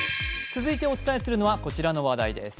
続いてお伝えするのは、こちらの話題です。